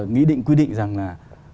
nghĩ định quy định rằng là